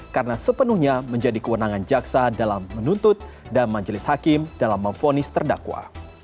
karena sepenuhnya menjadi kewenangan jaksa dalam menuntut dan majelis hakim dalam memfonis terdakwa